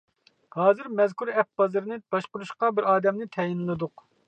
ھازىر مەزكۇر ئەپ بازىرىنى باشقۇرۇشقا بىر ئادەمنى تەيىنلىدۇق.